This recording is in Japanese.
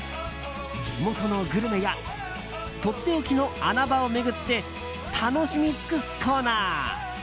地元のグルメやとっておきの穴場を巡って楽しみ尽くすコーナー。